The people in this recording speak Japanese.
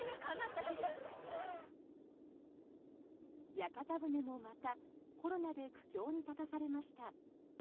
屋形船もまたコロナで苦境に立たされました。